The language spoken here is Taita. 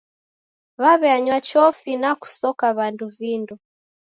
W'aw'eanywa chofi na kusoka w'andu vindo.